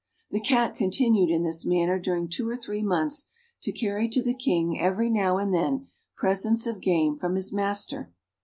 The Cat continued in this manner during two or three months to carry to the King, every now and then, presents of game from his master.